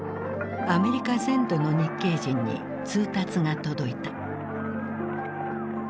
アメリカ全土の日系人に通達が届いた。